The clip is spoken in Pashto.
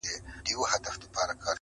o وجدان ورو ورو مري دننه تل,